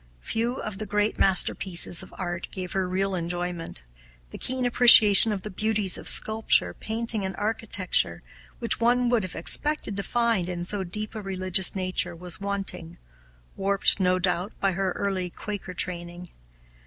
Few of the great masterpieces of art gave her real enjoyment. The keen appreciation of the beauties of sculpture, painting, and architecture, which one would have expected to find in so deep a religious nature, was wanting, warped, no doubt, by her early Quaker training.